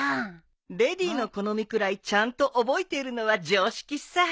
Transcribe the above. レディーの好みくらいちゃんと覚えているのは常識さ。